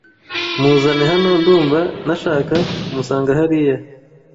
Muzane hano ndumva nashaka kumusanga hariya.